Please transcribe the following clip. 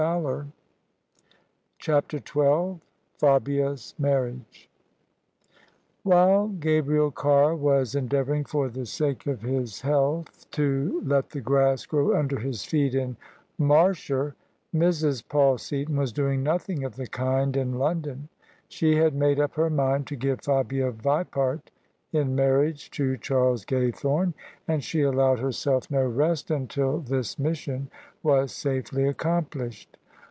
CHAPTER XII fabia's marriage While Gabriel Carr was endeavouring for the sake of his health to let the grass grow under his feet in Mershire, Mrs. Paul Seaton was doing nothing of the kind in Lon don. She had made up her mind to give Fabia Vipart in marriage to Charles Gaythome; and she allowed herself no rest until this mission was safely accomplished.